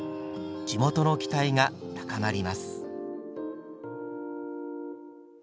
地元の期待が高まります。